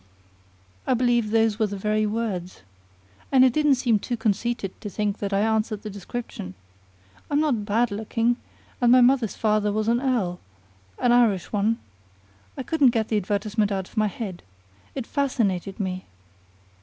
"I believe those were the very words. And it didn't seem too conceited to think that I answered the description. I'm not bad looking, and my mother's father was an earl an Irish one. I couldn't get the advertisement out of my head. It fascinated me."